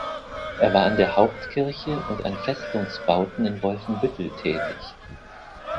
Er war an der Hauptkirche und an Festungsbauten in Wolfenbüttel tätig.